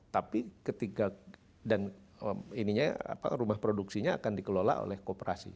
tapi ketika dan rumah produksinya akan dikelola oleh kooperasi